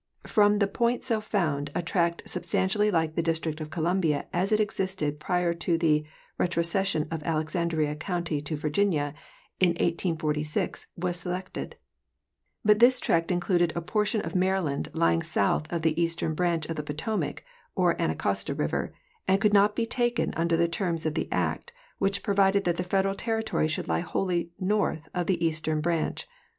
From the point so found a tract substantially like the District of Columbia as it existed prior to the retroces sion of Alexandria county to Virginia, in 1846, was selected ; but this tract included a portion of Maryland lying south of the Kastern branch of the Potomac, or Anacostia river, and could not be taken under the terms of the act, which provided that the Federal territory should le wholly north of the Eastern branch.